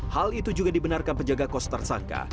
hal itu juga dibenarkan penjaga kos tersangka